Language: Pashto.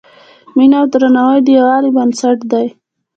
مینه او درناوی د یووالي بنسټ دی.